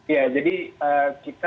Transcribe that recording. ya jadi kita berdasarkan